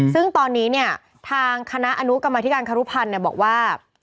ซึ่งตอนนี้เนี่ยทางคณะอนุกรรมธิการครุพันธ์บอกว่า